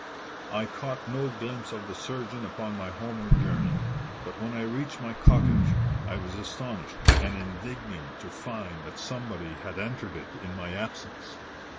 I caught no glimpse of the surgeon upon my homeward journey; but when I reached my cottage I was astonished and indignant to find that somebody had entered it in my absence.